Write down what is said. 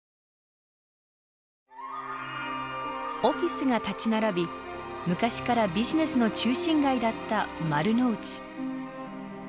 オフィスが立ち並び昔からビジネスの中心街だった丸の内。